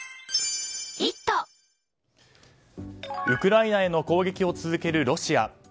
ウクライナへの攻撃を続けるロシア。